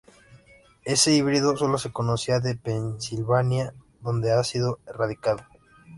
Ese híbrido sólo se conocía de Pennsylvania, donde ha sido erradicado.